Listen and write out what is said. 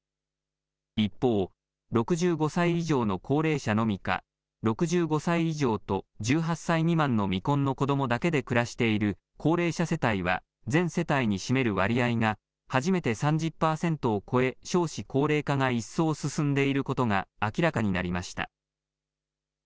一方、６５歳以上の高齢者のみか、６５歳以上と１８歳未満の未婚の子どもだけで暮らしている高齢者世帯は、全世帯に占める割合が初めて３０％を超え、少子高齢化が一層進んでいることが明らかになりました。